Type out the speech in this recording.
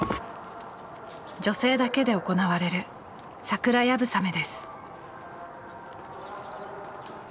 女性だけで行われる桜流鏑馬です。